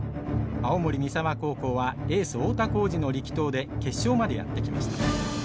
青森三沢高校はエース太田幸司の力投で決勝までやって来ました。